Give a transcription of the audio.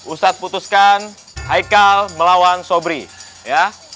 ustadz putuskan haikal melawan sobri ya